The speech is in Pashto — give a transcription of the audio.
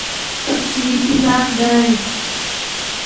تفصيلي پلان دی